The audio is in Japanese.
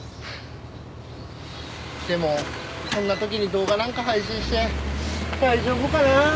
でもこんな時に動画なんか配信して大丈夫かなあ。